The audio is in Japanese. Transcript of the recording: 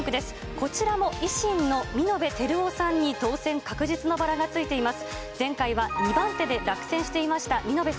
こちらも維新の美延映夫さんに当選確実のバラがついています。